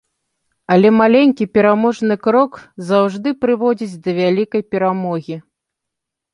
Але маленькі пераможны крок заўжды прыводзіць да вялікай перамогі.